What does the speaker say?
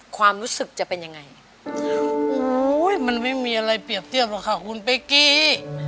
ความรู้สึกจะเป็นยังไงโอ้ยมันไม่มีอะไรเปรียบเทียบหรอกค่ะคุณเป๊กกี้